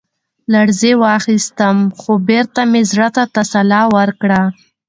لـړزې واخيسـتم ، خـو بـېرته مـې زړه تـه تـسلا ورکړه.